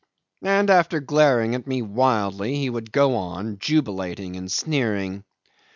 And after glaring at me wildly he would go on, jubilating and sneering.